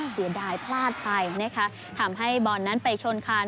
เสียดายพลาดไปทำให้บอร์นนั้นไปชนคาร